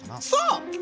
そう！